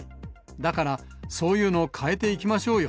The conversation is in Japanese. だからそういうの変えていきましょうよ。